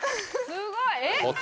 すごいえっ？